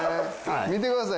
見てください。